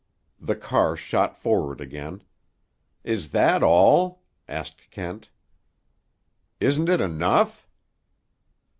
The car shot forward again. "Is that all?" asked Kent. "Isn't it enough?"